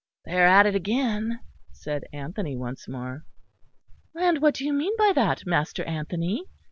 "They are at it again," said Anthony, once more. "And what do you mean by that, Master Anthony?"